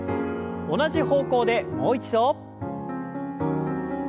同じ方向でもう一度。